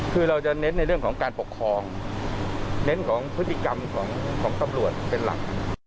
คือเราจะเน้นในเรื่องของการปกครองเน้นของพฤติกรรมของตำรวจเป็นหลัก